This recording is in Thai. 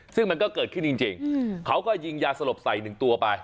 ซึ่งมันก็เกิดขึ้นจริงจริงอืมเค้าก็ยิงยาสลบใส่หนึ่งตัวไป